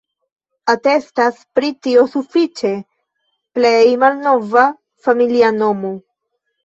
Atestas pri tio sufiĉe plej malnova familia nomo.